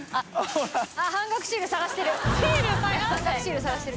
シール探してる。